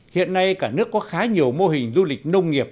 hiện nay cả nước có khá nhiều mô hình du lịch nông nghiệp